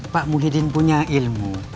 pak muhyiddin punya ilmu